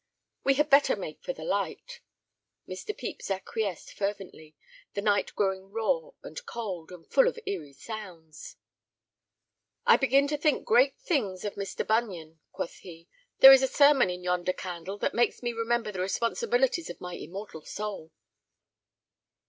"We had better make for the light." Mr. Pepys acquiesced fervently, the night growing raw and cold, and full of eerie sounds. "I begin to think great things of Mr. Bunyan," quoth he; "there is a sermon in yonder candle that makes me remember the responsibilities of my immortal soul."